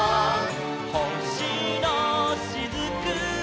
「ほしのしずくは」